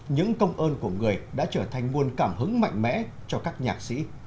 những công ơn của người đã trở thành nguồn cảm hứng mạnh mẽ cho các nhạc sĩ